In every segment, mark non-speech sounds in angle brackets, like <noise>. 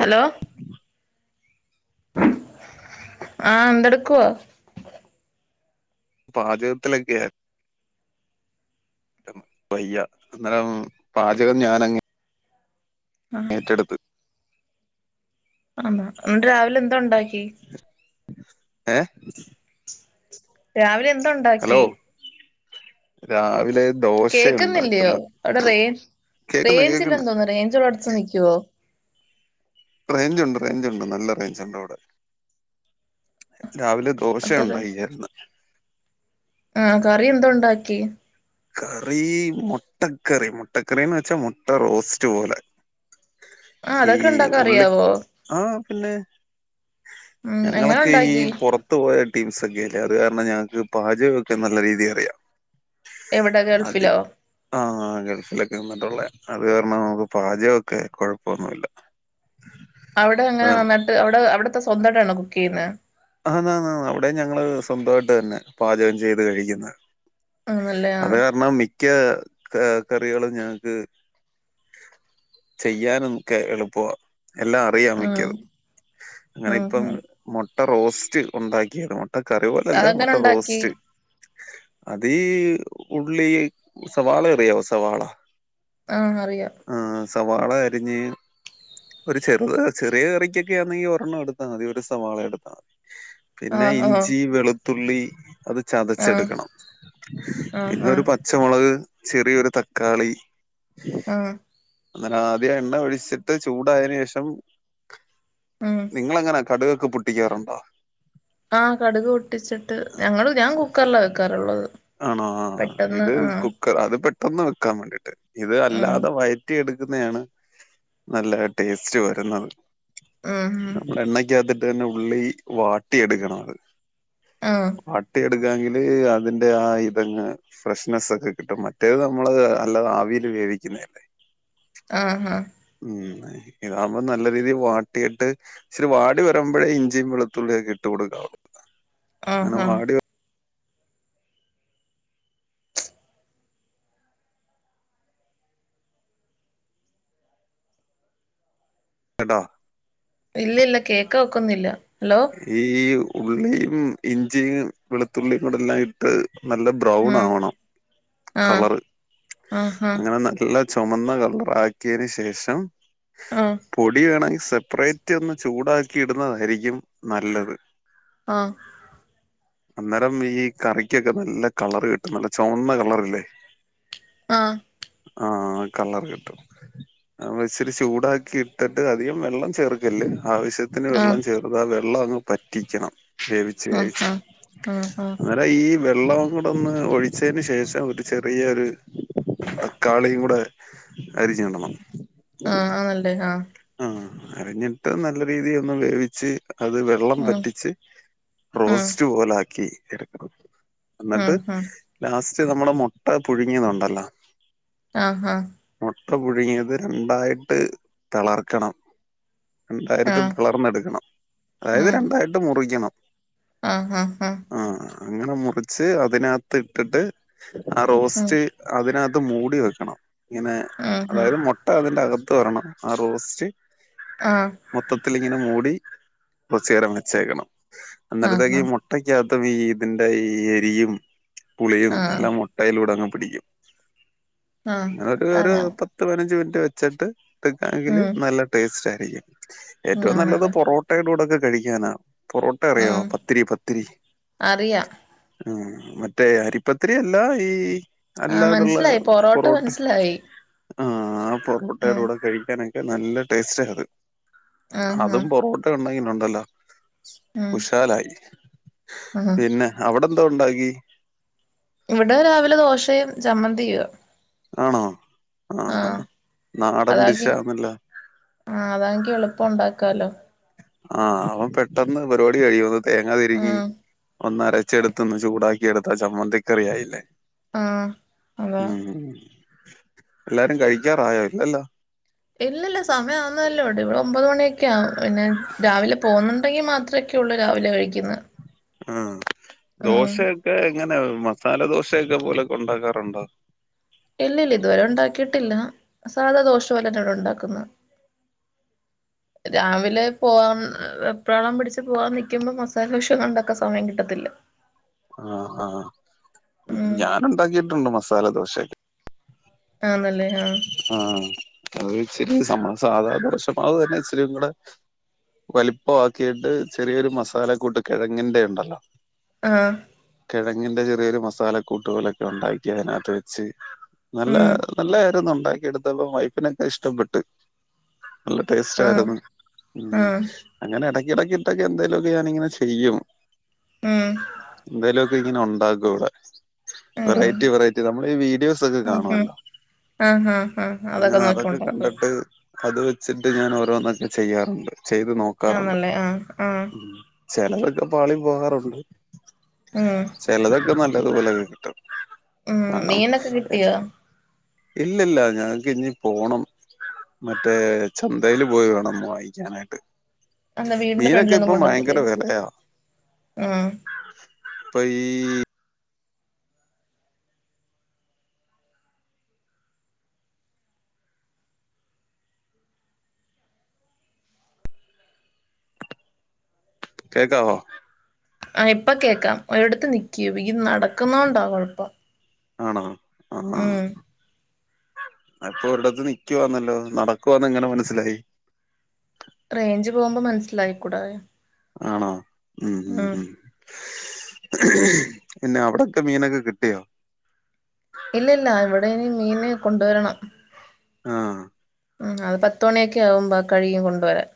Hello ആഹ് എന്തെടുക്കുവാ പാചകത്തിലൊക്കെയാ രം വയ്യ അന്നേരം പാചകം ഞാനങ്ങേ ആഹ് ഏറ്റെടുത്ത് ആന്നോ എന്നിട്ട് രാവിലെ എന്തുണ്ടാക്കി ഏഹ് രാവിലെ എന്ത് ഉണ്ടാക്കി രാവി കേക്കുന്നില്ലയോ അവിടെ റേ കേക്കുന്നു റേഞ്ച് കേക്കുന്നു ഇല്ലന്ന് തോന്നുന്നു റേഞ്ചോള്ളടത്ത് നിക്ക ക്കുവോ റേഞ്ച് ഉണ്ട് റേഞ്ച് ഉണ്ട് നല്ല റേഞ്ച് ഉണ്ട് ഇവിടെ രാവിലെ ദോശ അത്ര ഉണ്ടായിരുന്ന് ആ കറി എന്ത് ഉണ്ടാക്കി കറി മുട്ടക്കറി മുട്ടക്കറിന്ന് വച്ചാ മുട്ട റോസ്റ്റ് പോലെ ആഹ് ഈ അതൊക്കെ ഉണ്ടാക്കാൻ ഉള്ളി അറിയാവോ ആഹ് പിന്നെ ഉം എങ്ങനെ ഞങ്ങളൊക്കെ ഈ ഉണ്ടാക്കി പുറത്ത് പോയട്ടീമ് സക്കല്ലേ അത് കാരണം ഞങ്ങക്ക് പാചകൊക്കെ നല്ല രീതിയി അറിയാം എവിടെ അതി ഗൾഫിലോ ആ ഗൾഫിലൊക്കെ നിന്നിട്ടുള്ള അത് കാരണം നമുക്ക് പാചകംക്കെ കുഴപ്പൊന്നുല്ല അവിടെ എങ്ങനെ നന്നായിട്ട് അവിടെ അവിടത്തെ സ്വന്തയിട്ടാണോ കുക്കീയ്യുന്നേ ആഹ് ആന്ന് ആന്ന് അവിടെ ഞങ്ങള് സ്വന്തമായിട്ട് തന്നെ പാചകം ചെയ്ത് കഴിക്കുന്നെ ആണല്ലേ അത് ആഹ് കാരണം മിക്ക കറികളും ഞങ്ങക്ക് ചെയ്യാനുംക്കെ എളുപ്പ എല്ലാം അറിയാം ആഹ് മിക്കതും അങ്ങനെ ഉം ഇപ്പം ഉം മുട്ട റോസ്റ്റ് ഉണ്ടാക്കിയേക്കണ് ആ കറി പോലല്ല അതെങ്ങനെ മുട്ട ഉണ്ടാക്കി റോസ്റ്റ് അതീ ഉള്ളി സവാള അറിയാവോ സവാളാ ആഹ് അറിയാം സവാള അരിഞ്ഞ് ഒരു ചെറുത ചെറിയ കറിക്കൊക്കെ ആണെങ്കിൽ ഒരെണ്ണം എടുത്താൽ മതി ഒരു സവാള എടുത്ത പിന്നെ ആഹ് ആഹ് ഇഞ്ചി വെളുത്തുള്ളി അത് ആഹ് ചതച്ചെടുക്കണം ആഹ് പിന്നെ ഒരു ആഹ് പച്ചമുളക് ചെറിയൊരു തക്കാളി ആ അന്നേരം ആദ്യം എണ്ണ ഒഴിച്ചിട്ട് ചൂടായേന് ശേഷം ഉം നിങ്ങളെങ്ങന കടുക് പൊട്ടിക്കാറുണ്ടോ ആഹ് കടുക് പൊട്ടിച്ചിട്ട് ഞങ്ങള് ഞാൻ കുക്കറില വെക്കാറുള്ളത് ആണോ ആഹ് പെട്ടെന്ന് ഇത് ആഹ് കുക്കർ അത് പെട്ടെന്ന് വെക്കാൻ വേണ്ടീട്ട് ഇത് ഉം അല്ലാതെ വയറ്റി എടുക്കുന്നെ ആണ് നല്ല ടേസ്റ്റ് വരുന്നത് ഉം ഉം നമ്മള് എണ്ണക്കാത്തിട്ട് തന്നെ ഉള്ളി വാട്ടി എടുക്കണം അത് ആ എടുക്കാങ്കില് അതിൻ്റെ ആ ഇതങ്ങ് ഫ്രഷ്നസ് ഒക്കെ കിട്ടും മറ്റേത് നമ്മള് അല്ലാതെ ആവിയിൽ വേവിക്കുന്നല്ലേ ആ ആ ഉം ഇതാവുമ്പോ നല്ല രീതിയിൽ വാട്ടിയിട്ട് ഇച്ചരി വാടി വരുമ്പോഴേ ഇഞ്ചിയും വെളുത്തുള്ളിയും ഒക്കെ ഇട്ട് കൊടുക്കാവുള്ളുന്ന ആ കേട്ടോ ഇല്ല ഇല്ല കേക്ക ഒക്കുന്നില്ല ഈ ഉള്ളിയും ഇഞ്ചിയും വെളുത്തുള്ളിയും കൂടെല്ലാംയിട്ട് നല്ല ബ്രൗൺ ഉം ആവണം ആഹ് കളർ ആഹ് അങ്ങനെ നല്ല ചുമന്ന കളറാക്കിയതിനന് ശേഷം ആഹ് പൊടി വേണെങ്കിൽ സെപ്പറേറ്റ് ഒന്ന് ചൂടാക്കി ഇടുന്നതായിരിക്കും നല്ലത് ആ അന്നേരം ഈ കറിക്കൊക്കെ നല്ല കളറ് കിട്ടും നല്ല ചൊവന്ന കളറില്ലേ ആ ആ കളർ കിട്ടും ആ ഇച്ചിരി ചൂടാക്കി ഇട്ടിട്ട് അധികം വെള്ളം ചേർക്കല് ആവശ്യത്തിന് ആഹ് വെള്ളം ചേർത്ത് ആ വെള്ളം അങ്ങ് പറ്റിക്കണം വേവിച്ച് വേവിച്ച് ആ ആ അന്നേരം ഈ വെള്ളം കൂടെന്ന് ഒഴിച്ചതിന് ശേഷം ഒരു ചെറിയൊരു തക്കാളിയും കൂടെ അരിഞ്ഞ് ഇടണം ആഹ് ആഹ് ന്നല്ലേ ആഹ് ആഹ് അറിഞ്ഞിട്ട് നല്ല രീതി ഒന്ന് വേവിച്ച് അത് വെള്ളം ഉം വെറ്റിച്ച് ഉം റോസ്റ്റ് പോലെ ആക്കി എടുക്കണം ഉം എന്നിട്ട് ഉം ലാസ്റ്റ് നമ്മള് മുട്ട പുഴുങ്ങിയത് ഉണ്ടല്ലോ അഹ് ആഹ് മുട്ട പുഴുങ്ങിയത് രണ്ടായിട്ട് തളർക്കണം ആഹ് രണ്ടായിട്ട് ആഹ് പിളർന്നെടുക്കണം അതായത് ഉം രണ്ടായിട്ട് മുറിക്കണം ആഹ് ആഹ് ആഹ് ആ അങ്ങനെ മുറിച്ച് അതിനകത്ത് ഇട്ട്ട്ട് ആ ഉം റോസ്റ്റ് അതിനകത്ത് അത് മൂടി വെക്കണം ഇങ്ങനെ ആഹ് അതായത് മുട്ട അതിന്റെ അകത്ത് വരണം ആ റോസ്റ്റ് ആഹ് മൊത്തത്തില് ഇങ്ങനെ മൂടി കൊറച്ച് നേരം വെച്ചേക്കണം ആഹ് അന്നരത്തേക്ക് ആഹ് ഈ മുട്ടക്കകത്തും ഈ ഇതിന്റെ ഈ എരിയും പുളിയും ആഹ് എല്ലാം മുട്ടയിലൂടങ്ങ് പിടിക്കും അന്നിട്ടോരു ആഹ് ആഹ് ഒരു ആഹ് പത്ത് പതിനഞ്ച് മിനിറ്റ് വെച്ചിട്ട് കഴിക്കാണെങ്കില് ഉം നല്ല ടേസ്റ്റ് ആയി ഏറ്റവും നല്ലത് ആണല്ലേ പൊറോട്ടയുടെ കൂടൊക്കെ കഴിക്കാനാണ് പൊറോട്ട അറിയോ ഉം പത്തിരി പത്തിരി അറിയാം ഉം മറ്റേ അരിപ്പത്തിരി അല്ല ഈ ആ അല്ലാതുള്ള മനസ്സിലായി പൊറോട്ട മനസ്സിലായി ആഹ് ആ ആ പൊറോട്ടയുടെ കൂടെ കഴിക്കാനൊക്കെ നല്ല ടേസ്റ്റാത് ആ ആ അതും പൊറോട്ടേം ഉണ്ടെങ്കില് ഉണ്ടല്ലോ ഉം കുശാലായി ആ പിന്നെ അവിടെന്തോ ഉണ്ടാക്കി ഇവിടെ രാവിലെ ദോശയും ചമ്മന്തിയുവാ ആണോ? ആ നാടൻ അതാക്കി ഡിഷാന്നല്ലോ ആ അതാങ്കി എളുപ്പം ഉണ്ടാക്കാലോ ആ അവം പെട്ടെന്ന് പരിപാടി കഴിയുവോ തേങ്ങ തിരിമി ഉം ഒന്ന് അരച്ചെടുത്ത് ഒ? ന്ന് ചൂടാക്കി എടുത്താ ചമ്മന്തിക്കറിയായില്ലേ ആ അതാ ഉം എല്ലാരും കഴിക്കാറായോ ഇല്ലല്ലോ ഇല്ലല്ല സമയമാവുന്നതല്ലോട്ട് ഇവിടെ ഒമ്പത് മണിയൊക്കെ ആവും പിന്നെ രാവിലെ പോകുന്നുണ്ടെങ്കി മാത്രെ യുള്ളൂ രാവിലെ കഴിക്കുന്നത് ആ ദോശയൊക്കെ ഇങ്ങനെ മസാല ദോശയൊക്കെ പോലൊക്കെ ഉണ്ടാക്കാറുണ്ടോ ഇല്ലില്ല ഇതുവരെ ഉണ്ടാക്കിട്ടില്ല സാധാ ദോശപൊലന്നെ ഇവിടെ ഉണ്ടാക്കുന്നത് രാവിലെ പോവാൻ വെപ്രാളം പിടിച്ച് പോവാൻ നിക്കുമ്പം മസാലദോശ ഒന്നും ഉണ്ടാക്കാൻ സമയം കിട്ടത്തില്ല. ആഹ് ആഹ് ഉം ഞാന് ഉണ്ടാക്കിട്ടുണ്ട്. മസാല ദോശയൊക്കെ ആന്നല്ലേ ആഹ് ആഹ് <unintelligible> സ സാധാ ദോഷമാവ് തന്നെ ഇച്ചിരിം കൂടെ വലുപ്പം ആക്കീട്ട് ചെറിയൊരു മസാല കൂട്ട് കെഴങ്ങിന്റെ ഉണ്ടല്ലോ ആഹ് കെഴങ്ങിന്റെ ചെറിയൊരു മസാല കൂട്ടു പോലൊക്ക ഉണ്ടാക്കി അതിനകത്ത് വെച്ച് നല്ല ഉം <unintelligible> ഉണ്ടാക്കി എടുത്തപ്പോ വൈഫിനൊക്കെ ഇഷ്ടപ്പെട്ട്. നല്ല ടേസ്റ്റ് ആഹ് ആയിരുന്നു ഉം ആഹ് അങ്ങനെ എട എടക്ക്‌ ഇട്ടക്കെ എന്തെലുമൊക്കെ ഞാനിങ്ങനെ ചെയ്യും. ഉം എന്തേലു <unintelligible> ഇങ്ങനെ ഒണ്ടാക്കും ഇവിടെ. ആഹ് വെറൈറ്റി വെറൈറ്റി നമ്മള് ഈ വീഡിയോസ് ഒക്കെ ആഹ് കാണുമല്ലോ ആഹ് ആഹ് ആഹ് അങ്ങന നോക്കി അതൊക്കെ ഉണ്ടാക്കും കണ്ടിട്ട്. അത് വെച്ചിട്ട് ഞാൻ ഓരോന്നക്ക ചെയ്യാറുണ്ട്. ചെയ്ത് നോക്കാറുണ്ട് ആന്നല്ലേ ആഹ് ആഹ് മ്ഹ് ചെലതൊക്കെ പാളി പോകാറുണ്ട്. ഉം ചെലതൊക്കെ നല്ലതുപോലെ കിട്ടും ഉം ആണോ? മീനൊക്കെ കിട്ടിയോ ഇല്ലില്ല ഞങ്ങക്ക് ഇഞ്ഞി പോണം. മറ്റേ ചന്തയില് പോയി വേണം വാങ്ങിക്കാനായിട്ട്. അതെന്താ വീടിന്റെ മീനൊക്കെ ഫ്രണ്ടിലൊന്നും ഇപ്പം ഭയങ്കര കൊണ്ടുവരത്തില്ലേ വെലയാ ഉം ഇപ്പൊ ഈ കേക്കാവോ ആഹ് ഇപ്പ കേക്കാം. ഒരിടത്ത് നിക്ക് ഈ നടക്കുന്നോണ്ടാ കൊഴപ്പം ആണോ ആഹ് ആഹ് ഉം അതിപ്പൊ ഒരിടത്ത് നിക്കുവാന്നല്ലോ. നടക്കുവാന്ന് എങ്ങനെ മനസ്സിലായി റേയ്ഞ്ച് പോകുമ്പോ മനസ്സിലായിക്കൂടേ ആണോ ഉം ഉം ഉം പിന്നെ അവിടൊക്കെ മീനക്ക കിട്ടിയോ ഇല്ല ഇല്ല ഇവിടെനി മീന് കൊണ്ടുവരണം ആഹ് അത് പത്ത മണിയൊക്കെ ആകുമ്പോ കഴിയും കൊണ്ടുവരാൻ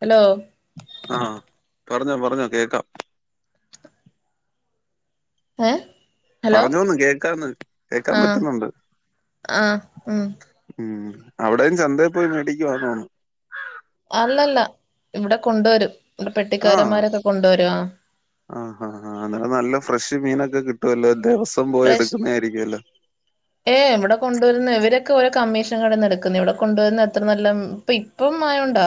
ഹലോ ആഹ് പറഞ്ഞോ പറഞ്ഞോ കേക്കാം ഏഹ് പറഞ്ഞോന്ന് കേക്കാന്ന് കേക്കാൻ ആഹ് പറ്റുന്നുണ്ട് ആഹ് ഉം ഉം അവിടയും ചന്തയിൽ പോയി മേടിക് വാണോ അല്ലല്ല ഇവിടെ കൊണ്ടുവരും ഇവിടെ ആഹ് പെട്ടിക്കാരന്മാരൊക്കെ കൊണ്ടുവരും ആ ആ ഹ് ഹ അന്നേരം നല്ല ഫ്രഷ് മീനൊക്കെ കിട്ടുവല്ലോ ദിവസം പോയി ഫ്രഷ് എടുക്കുന്നതായിരിക്കുവല്ലോ ഏയ് ഇവിടെ കൊണ്ടുവരുന്ന ഇവരൊക് <unintelligible> കമ്മീഷൻ കടന്ന് എടുക്കുന്നു ഇവിടെ കൊണ്ടുവരുന്ന എത്ര നല്ല ഇപ്പ ഇപ്പം മയൊണ്ടാ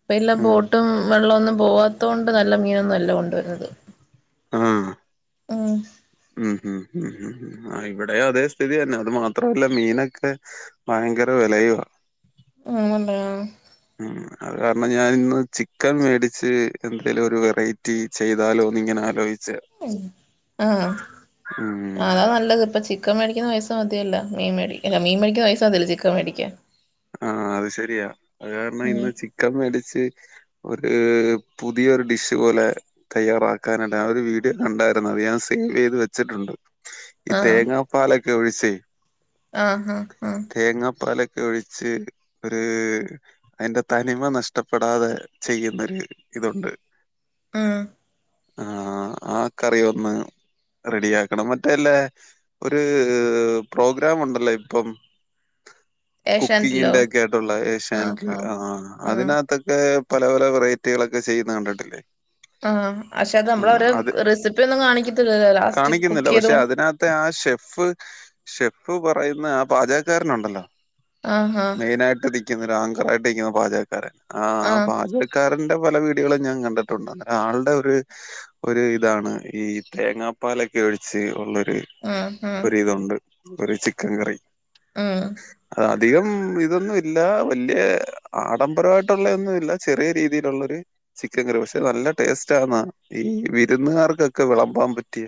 ഇപ്പ ഇല്ല ഉം ബോട്ടും വെള്ളമ ഒന്നും പോവാത്ത കൊണ്ട് നല്ല മീനൊന്നും അല്ല കൊണ്ടുവരുന്നത് ആഹ് ഉം ഉം ഹും ഉം ഉം ഉം ആ ഇവിടെ അതേ സ്ഥിതി തന്നെ അത് മാത്രല്ല മീനൊക്കെ ഭയങ്കര വിലയവാ <unintelligible> ഉം അത് കാരണം ഞാൻ ഇന്ന് ചിക്കൻ മേടിച്ച് എന്തെിലും ഒരു വെറൈറ്റി ചെയ്താലോ നിങ്ങനെ ആലോ ആഹ് ഉം അതാ നല്ലത് ഇപ്പ ചിക് ക്കൻ മേടിക്കുന്ന പൈസ മതില്ല മീൻ മേടി മീൻ മേടിക്കുന്ന പൈസ മതില്ല ചിക്കൻ മേടിക്കൻ ആഹ് അത് ശരിയാ അത് കാരണം ഉം ഇന്ന് ചിക്കൻ മേടിച്ച് ഒരു പുതിയൊരു ഡിഷ് പോലെ തയ്യാറാക്കാനാട്ട് ഒരു വീഡിയോ കണ്ടായിരരുന്നു അത് ഞാൻ സേവ് ചെയ്ത് വെച്ചിട്ടുണ്ട് ഈ ആഹ് തേങ്ങാപ്പാലൊക്കെ ഒഴിച്ചേ ആഹ് ഹാ ഹ ച്ച് ഒരു അതിന്റെ തനിമ നഷ്ടപ്പെടാതെ ചെയ്യുന്നൊരു ഇതുണ്ട് ആഹ് ആഹ് ആഹ് കറി ഒന്ന് റെഡിയാക്കണം മറ്റേല്ലെ ഒരു പ്രോഗ്രാ ഉണ്ടല്ലോ ഇപ്പം <inaudible> ഏഷ്യാനെറ്റിലോ കുക്കിങ്ങിന്റെക്കെ ആയിട്ടുള്ള ആഹ് ഏഷ്യാനറ്റ്ന്റെ ആഹ് ആ ആഹ് അതിനാത്തൊക്കെ പല പല വെറൈറ്റികളൊക്ക ചെയ്യുന്ന കണ്ടിട്ടില്ലേ ആഹ് അക്ഷെ അത് മ്മള ഉം ഓരോ അത് റെസിപ്പി ഒന്നും കാണിക്ക്യത്തില്ലല്ലോ ലാസ്റ്റ് കുക്കെയ്തൊ ഫ് ഷെഫ് പറയുന്ന ആ പാചക ക്കാരനുണ്ടല്ലോ ആഹ് ആഹ് മെയിനായിട്ട് അതി ക്ക്ന്നല ആങ്കറായിട്ട് ക്ക്ന്ന പാചകക്കാരൻ ആ ആ ആഹ് പാചകക്കാരൻന്റെ വ പല വീടികളും നാം കണ്ട്ട്ടുണ്ട് അന്നേ ആ ആൾടെ ഒര് ഒര് ഇതാണ് ഈ തേങ്ങാപ്പാലൊക്കെ ഒഴിച്ച് ഉള്ളര് ഉം ഉം ഒരിതുണ്ട് ഒരു ചിക്കൻ കറി മ് അധികം ഇതൊന്നുഇല്ല വല്ല്യ ആഡംബരമായിട്ടുള്ള ഒന്നുമില്ല ചെറിയ രീതിയിലുള്ളൊര് ചിക്കൻ കറി പക്ഷെ നല്ല ടേസ്റ്റ് ആന്നാ ഈ വിരുന്നുകാർക്കൊക്ക വിളമ്പാമ് പറ്റിയ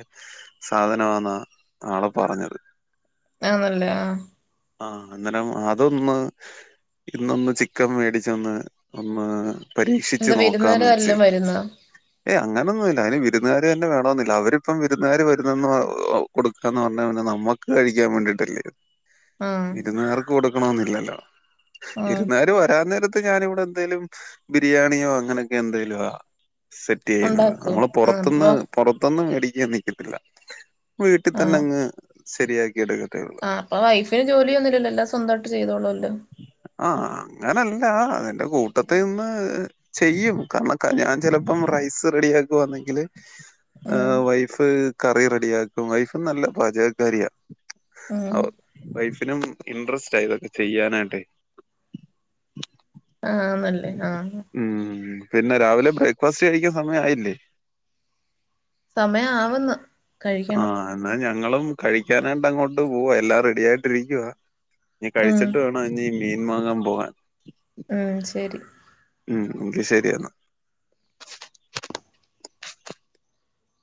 സാധനമാന്ന ആള് പറഞ്ഞത്. ആന്നല്ലേ ആഹ് ആഹ് ഇന്നലേം അതൊന്ന് ഇന്നൊന്ന് ചിക്കം മേടിച്ചൊന്ന് ഒന്ന് പരീക്ഷിചിച്ച് എന്താ വിരുന്നുകാര് നോക്കാന്ന് വെച്ച് വല്ലോം വരുന്നോ ഏ അങ്ങനെന്നും ഇല്ല അയ്ന് വിരുന്നുകാര് ന്നെ വേണോന്നില്ല അവര് പ്പം വിരുന്നുകാര് വരുന്നന്ന് പ ഹ് ഹ് കൊടുക്കാന്ന് പർഞ്ഞ പിന്നാ നം മ്മക്ക് കഴിക്കാൻ വേണ്ടിട്ടല്ലേ ആഹ് വിരുന്നുകാർക്ക് കൊടുക്കണോന്നില്ലല്ലോ വി ആഹ് രുന്നു കാര് വരാൻ നേര ത്ത് ഞാന് വടെ ന്തേലും ബിരിയാണിയോ അങ്ങനെക്കെ ന്തേലും ആ. സെറ്റയ്യുന്നത് ഉണ്ടാക്കോ നമ്മള് ആഹ് പൊറത്ത്ന്ന് അപ്പൊ പൊറത്ത് ന്ന് മേടിക്കൻ നിക്കത്തില്ല വീട്ടിതന്നെ അങ്ങ് ശരിയാക്കി എടുക്ക ആ അപ്പൊ വൈഫിന് ജോലിയൊ ന്നുല്ലല്ലോല്ലോ സ്വന്താട്ട് ചെയ്തോളോ ല്ലോ ആഹ് അങ്ങനല്ല അതിന്റെ കൂട്ടത്തിന്ന് ചെയ്യും കാര്ണം ഞാൻ ചെലപ്പം റൈസ് റെഡിയാ ക്കുവാന്നെങ്കില് ആ ഉം വൈഫ് കറി റെഡിയാക്കും. വൈഫ് നല്ല പാചകക്കാരിയാ. ഉം ഓ വൈഫിനും ഇൻട്രസ്റ്റാ ഇതൊക്കെ ചെയ്യാനായിട്ടെ. ആഹ് നല്ലേ ആഹ് ഉം പിന്നെ രാവിലെ ബ്രേക്ക്ഫാസ്റ്റ് കഴിക്കാൻ സമയായില്ലേ? സമയം ആവുന്നു ആ കഴിക്കണം ന്നാ ഞങ്ങളും കഴിക്കാനാന്താ കൊണ്ട് പോവോ എല്ലാം റെഡി ആയിട്ടിരിക്കുവ ഞ്ഞ് ഉം കഴിച്ചിട്ട് വേണോ ഞ്ഞ് മീ മാങ്ങാം പോവാൻ ഉം ശരി ഉം എങ്കി ശരിയെന്നാ